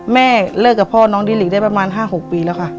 แม่เลิกกับพ่อน้องดิหลีได้ประมาณ๕๖ปีแล้วค่ะ